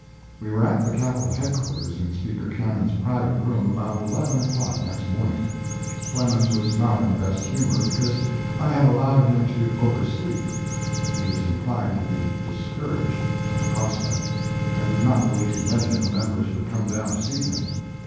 We were at the Capitol headquarters in Speaker Cannon's private room about eleven o'clock next morning. Clemens was not in the best humor because I had allowed him to oversleep. He was inclined to be discouraged at the prospect, and did not believe many of the members would come down to see him.